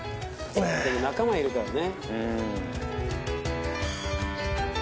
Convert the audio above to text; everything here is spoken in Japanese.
でも仲間いるからね。